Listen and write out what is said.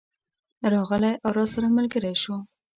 راغلی او راسره ملګری شو.